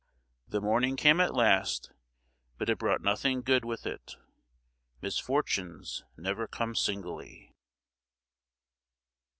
The morning came at last; but it brought nothing good with it! Misfortunes never come singly.